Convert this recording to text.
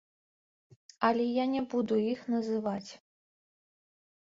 Але я не буду іх называць.